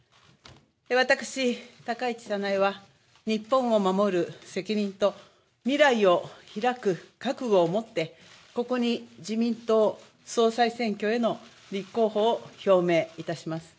私、高市早苗は日本を守る責任と未来を開く覚悟を持ってここに自民党総裁選挙への立候補を表明いたします。